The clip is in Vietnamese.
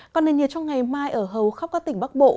còn nền nhiệt trong ngày mai ở hầu khắp các tỉnh bắc bộ